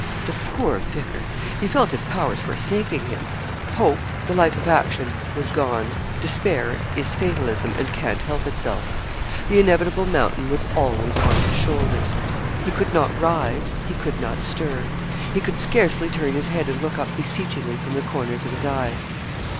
The poor vicar! He felt his powers forsaking him. Hope, the life of action, was gone. Despair is fatalism, and can't help itself. The inevitable mountain was always on his shoulders. He could not rise he could not stir. He could scarcely turn his head and look up beseechingly from the corners of his eyes.